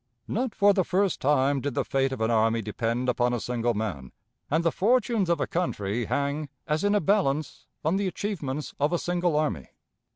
Not for the first time did the fate of an army depend upon a single man, and the fortunes of a country hang, as in a balance, on the achievements of a single army.